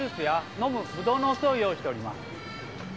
飲むブドウのお酢を用意しております。